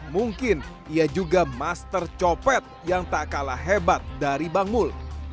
mungkin ia juga master copet yang tak kalah hebat dari bang mul